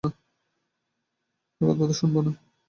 তার কথাবার্তা শুনব না।